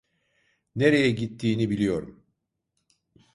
Nereye gittiğini biliyorum.